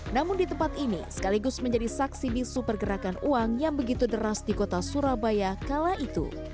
namun di tempat ini sekaligus menjadi saksi bisu pergerakan uang yang begitu deras di kota surabaya kala itu